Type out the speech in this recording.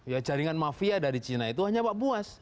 ya jaringan mafia dari cina itu hanya pak buas